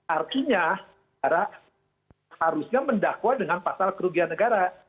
artinya negara harusnya mendakwa dengan pasal kerugian negara